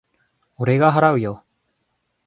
俺が払うよ。